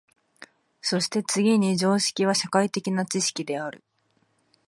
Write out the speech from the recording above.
そして次に常識は社会的な知識である。